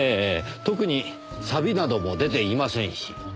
特にサビなども出ていませんし。